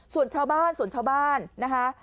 ส่วนชาวบ้านนะคะ